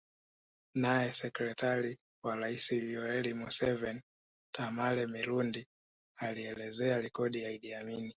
Naye sekretari wa rais Yoweri Museveni Tamale Mirundi alielezea rekodi ya Idi Amin